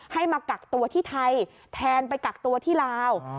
ให้มากักตัวที่ไทยแทนไปกักตัวที่ลาว